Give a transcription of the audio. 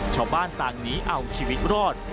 ชาวบ้านต่างหนีเอาชีวิตรอด